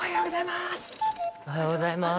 おはようございます。